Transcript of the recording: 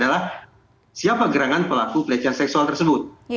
yang harus dicek adalah siapa gerangan pelaku pelecehan seksual tersebut